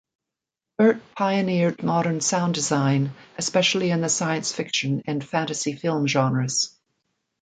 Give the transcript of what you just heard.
Burtt pioneered modern sound design, especially in the science-fiction and fantasy-film genres.